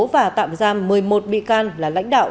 và tạm giam một mươi một bị can là lãnh đạo